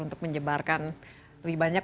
untuk menyebarkan lebih banyak